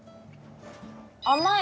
甘い！